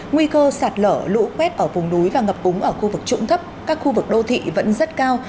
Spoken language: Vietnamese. nguy cơ sạt lở lũ quét ở vùng núi và ngập úng ở khu vực trụng thấp các khu vực đô thị vẫn rất cao